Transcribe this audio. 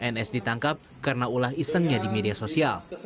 n s ditangkap karena ulah isengnya di media sosial